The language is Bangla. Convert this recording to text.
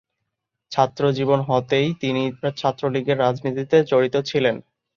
ছাত্রজীবন হতেই তিনি ছাত্রলীগের রাজনীতিতে জড়িত ছিলেন।